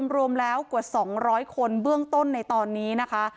รวมแล้วกว่า๒๐๐คนเบื้องต้นในตอนนี้นะคะ